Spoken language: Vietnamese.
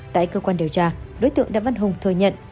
tại cơ quan điều tra đối tượng đạng văn hùng thừa nhận